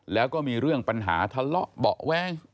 แล้วก็มีเรื่องปัญหาทะเลาะเบาะแว้ง